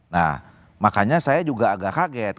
nah makanya saya juga agak kaget